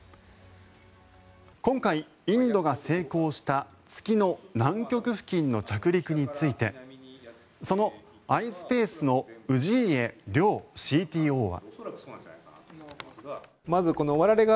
今回、インドが成功した月の南極付近の着陸についてそのｉｓｐａｃｅの氏家亮ＣＴＯは。